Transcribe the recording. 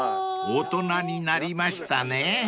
［大人になりましたね］